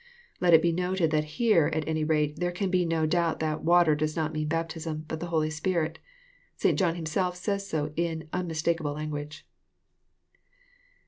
Let it be noted that here, at any rate, there can be no doubt that " water" does not mean " baptism," but the Holy Spirit. — St. John himself says so in unmistakable language.